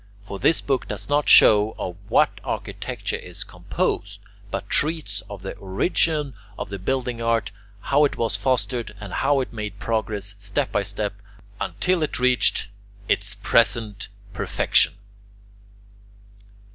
For this book does not show of what architecture is composed, but treats of the origin of the building art, how it was fostered, and how it made progress, step by step, until it reached its present perfection.